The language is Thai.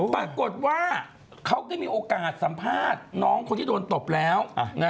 ปรากฏว่าเขาก็มีโอกาสสัมภาษณ์น้องคนที่โดนตบแล้ว